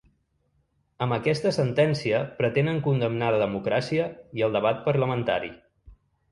Amb aquesta sentència pretenen condemnar la democràcia i el debat parlamentari.